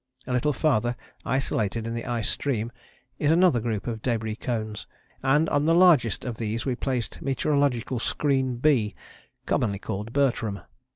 A little farther, isolated in the ice stream, is another group of debris cones, and on the largest of these we placed meteorological Screen "B," commonly called Bertram.